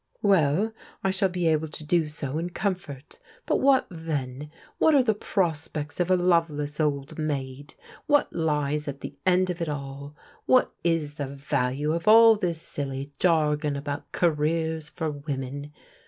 Well, I shall be able to do so in comfort ; but what then? WTiat are the prospects of a loveless old maid? What lies at the end of it all ? What is the value of all this silly jargon about careers for women?